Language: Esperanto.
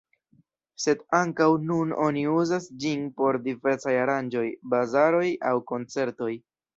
Sed ankaŭ nun oni uzas ĝin por diversaj aranĝoj, bazaroj aŭ koncertoj.